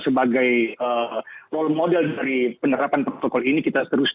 sebagai role model dari penerapan protokol ini kita terus